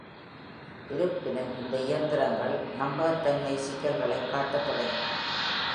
இருப்பினும், இந்த இயந்திரங்கள் நம்பகத்தன்மை சிக்கல்களைக் காட்டத் தொடங்கின.